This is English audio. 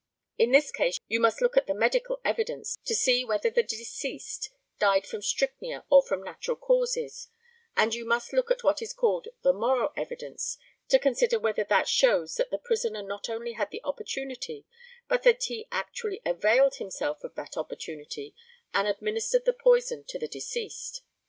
In this case you must look at the medical evidence, to see whether the deceased died from strychnia or from natural causes; and you must look to what is called the moral evidence, to consider whether that shows that the prisoner not only had the opportunity, but that he actually availed himself of that opportunity, and administered the poison to the deceased.